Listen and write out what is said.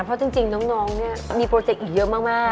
เพราะจริงน้องเนี่ยมีโปรเจคอีกเยอะมาก